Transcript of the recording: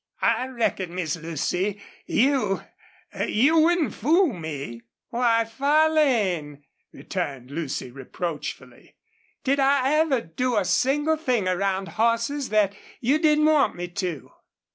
"I reckon, Miss Lucy, you you wouldn't fool me?" "Why, Farlane!" returned Lucy, reproachfully. "Did I ever do a single thing around horses that you didn't want me to?"